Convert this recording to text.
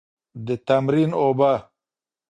د تمرین اوبه.